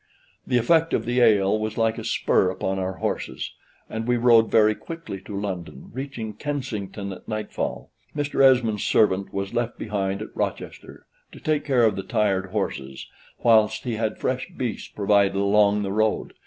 The effect of the ale was like a spur upon our horses, and we rode very quickly to London, reaching Kensington at nightfall. Mr. Esmond's servant was left behind at Rochester, to take care of the tired horses, whilst we had fresh beasts provided along the road.